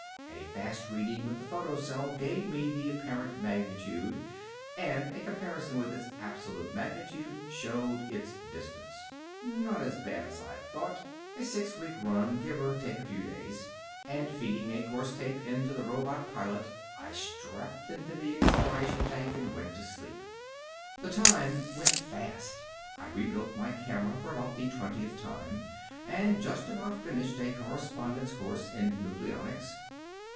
A fast reading with the photocell gave me the apparent magnitude and a comparison with its absolute magnitude showed its distance. Not as bad as I had thought a six week run, give or take a few days. After feeding a course tape into the robot pilot, I strapped into the acceleration tank and went to sleep. The time went fast. I rebuilt my camera for about the twentieth time and just about finished a correspondence course in nucleonics.